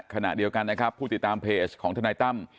ขณะเดียวกันนะครับผู้ติดตามเพจของทนายตั้ม